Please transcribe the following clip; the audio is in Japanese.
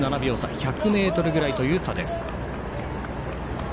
１００ｍぐらいという差です。